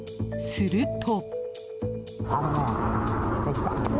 すると。